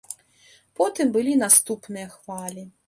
Потым былі наступныя хвалі.